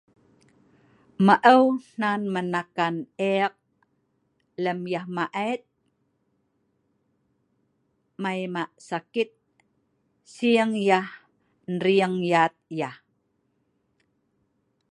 Maeu hnan menakan eek lem yeh maet mai hma sakit sing yeh nring yat yeh